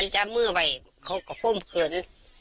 จับเมื่อไหร่เขาก็พ่มเผือน